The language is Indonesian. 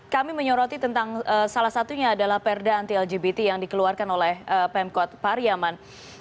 kami menyoroti tentang salah satunya adalah perda anti lgbt yang dikeluarkan oleh pemkot pariaman